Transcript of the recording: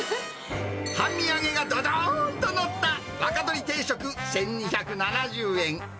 半身揚げがどどーんと載った、若鶏定食１２７０円。